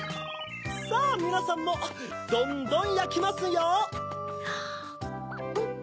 さぁみなさんもどんどんやきますよ！